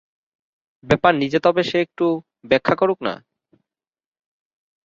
ব্যাপার নিজে তবে সে একটু ব্যাখ্যা করুক না?